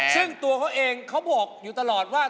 ซึ่งตัวเขาเองเขาบอกอยู่ตลอดว่า